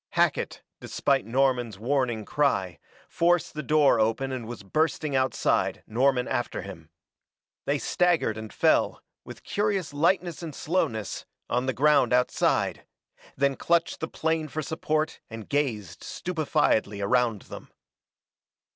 Hackett, despite Norman's warning cry, forced the door open and was bursting outside, Norman after him. They staggered and fell, with curious lightness and slowness, on the ground outside, then clutched the plane for support and gazed stupefiedly around them.